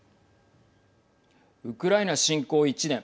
ウクライナ侵攻１年。